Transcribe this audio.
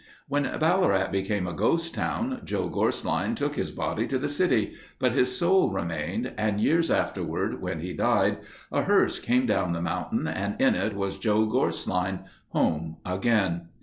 When Ballarat became a ghost town, Joe Gorsline took his body to the city, but his soul remained and years afterward when he died, a hearse came down the mountain and in it was Joe Gorsline, home again.